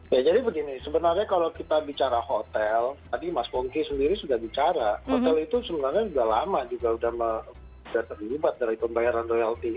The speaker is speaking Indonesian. ya jadi begini sebenarnya kalau kita bicara hotel tadi mas pongki sendiri sudah bicara hotel itu sebenarnya sudah lama juga sudah terlibat dari pembayaran royalti